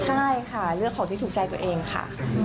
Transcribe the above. ใช่ค่ะเลือกของที่ถูกใจตัวเองค่ะ